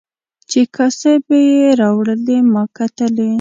چې کاسې به یې راوړلې ما کتلې.